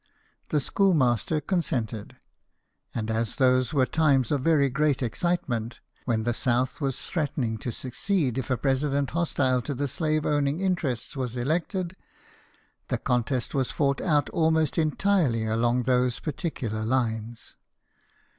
The schoolmaster consented ; and as those were times of very great excite ment, when the South was threatening to secede if a President hostile to the slave owning inte rest was elected, the contest was fought out almost entirely along those particular lines.